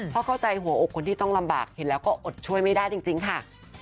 เพราะเข้าใจหัวอกคนที่ต้องลำบากเห็นแล้วก็อดช่วยไม่ได้จริงค่ะ